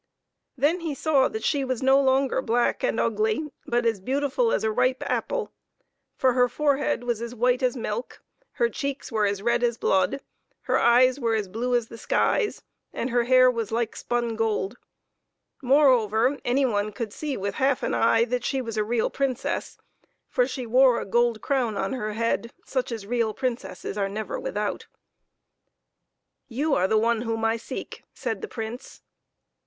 Then he saw that she was no longer black and ugly, but as beautiful as a ripe apple ; for her forehead was as white as milk, her cheeks were as red as blood, her eyes were as blue as the skies, and her hair was like spun gold. Moreover, any one could see with half an eye that she was a real princess, for she wore a gold crown on her head, such as real princesses are never without. THE BIRD IN THE LINDEN TREE. 93 " You are the one whom I seek," said the Prince.